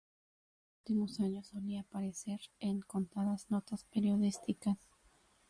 En sus últimos años, solía aparecer en contadas notas periodísticas.